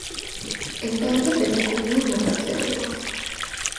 ეწეოდა პედაგოგიურ მოღვაწეობა.